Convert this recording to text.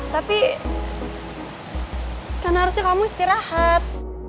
tapi kan harusnya kamu istirahat